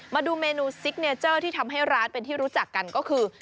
มาดูเมนูซิกเนเจอร์ที่ทำให้ร้านเป็นที่รู้จักกันก็คือ